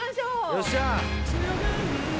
よっしゃ！